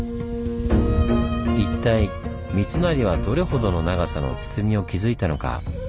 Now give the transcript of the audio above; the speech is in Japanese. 一体三成はどれほどの長さの堤を築いたのか。